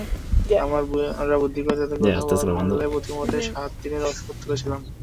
আমরা বুদ্ধি করে তাঁদের কথা বলে পথিমধ্যে সাত দিনের রসদ তুলেছিলাম।